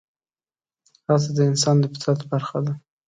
هڅه د انسان د فطرت برخه ده.